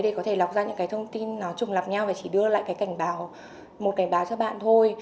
để có thể lọc ra những thông tin trùng lọc nhau và chỉ đưa lại một cảnh báo cho bạn thôi